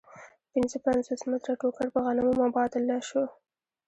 پنځه پنځوس متره ټوکر په غنمو مبادله شو